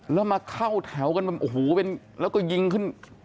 แล้วมาเข้าแถวกันโอ้โหแล้วก็ยิงขึ้น